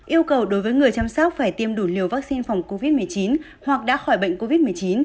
yêu cầu đối với người chăm sóc phải tiêm đủ liều vaccine phòng covid một mươi chín hoặc đã khỏi bệnh covid một mươi chín